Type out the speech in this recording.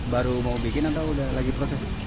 baru mau bikin atau udah lagi proses